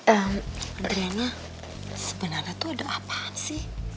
adriana sebenarnya tuh ada apaan sih